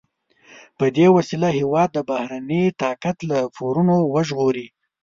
په دې وسیله هېواد د بهرني طاقت له پورونو وژغوري.